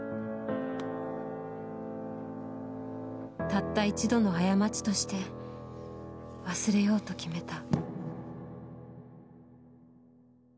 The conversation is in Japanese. たった一度の過ちとして忘れようと決めた。